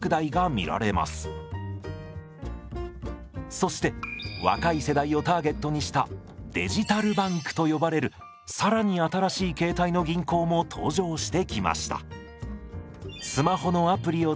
そして若い世代をターゲットにしたデジタルバンクと呼ばれる更に新しい形態の銀行も登場してきました。